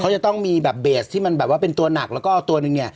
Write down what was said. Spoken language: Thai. จะต้องมีแบบเบสที่มันแบบว่าเป็นตัวหนักแล้วก็เอาตัวหนึ่งเนี่ย